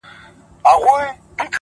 زه د جنتونو و اروا ته مخامخ يمه ـ